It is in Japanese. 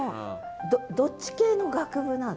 どっち系の学部なの？